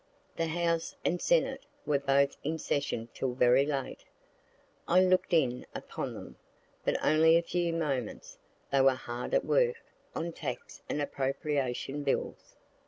The House and Senate were both in session till very late. I look'd in upon them, but only a few moments; they were hard at work on tax and appropriation bills.